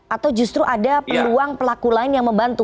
atau justru ada peluang pelaku lain yang membantu